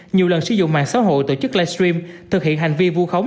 nhiều lần sử dụng mạng xã hội tổ chức livestream thực hiện hành vi vu khống